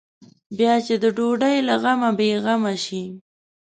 بیا چې د ډوډۍ له غمه بې غمه شي.